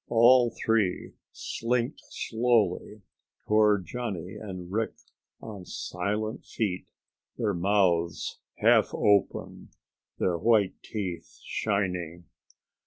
All three slinked slowly toward Johnny and Rick on silent feet, their mouths half open, their white teeth shining.